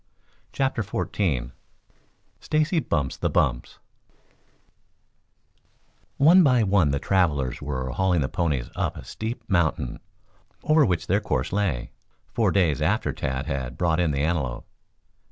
CHAPTER XIV STACY BUMPS THE BUMPS One by one the travelers were hauling the ponies up a steep mountain, over which their course lay, four days after Tad had brought in the antelope.